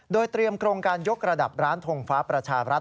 โดยเตรียมโครงการยกระดับร้านทงฟ้าประชาบรัฐ